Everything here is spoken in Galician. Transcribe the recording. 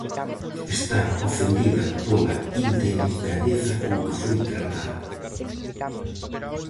Está ofendida pola indelicadeza con que foi tratada.